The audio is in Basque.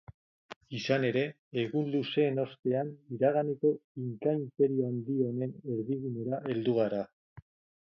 Izan ere, egun luzeen ostean iraganeko Inkainperio handi honen erdigunera heldu gara.